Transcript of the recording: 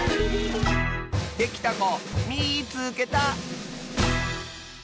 できたこみいつけた！